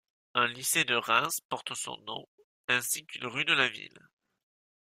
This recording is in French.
Un lycée de Reims porte son nom, ainsi qu'une rue de la ville.